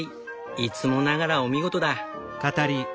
いつもながらお見事だ。